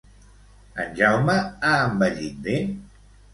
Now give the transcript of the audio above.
En Jaume ha envellit bé?